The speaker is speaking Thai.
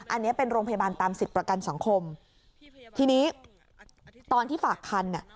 อันนี้เป็นโรงพยาบาลตามสิทธิ์ประกันสังคมทีนี้ตอนที่ฝากคันอ่ะ